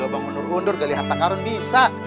kalau bangun nur mundur gali harta karun bisa